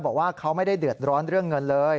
บอกว่าเขาไม่ได้เดือดร้อนเรื่องเงินเลย